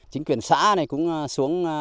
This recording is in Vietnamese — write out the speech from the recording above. chính quyền xã này cũng xuống